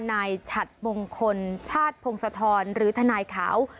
ฉัดมงคลชาติพงศธรหรือทนายขาว